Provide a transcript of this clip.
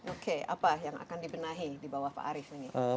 oke apa yang akan dibenahi di bawah pak arief ini